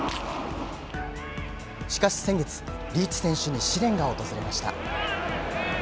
しかし先月、リーチ選手に試練が訪れました。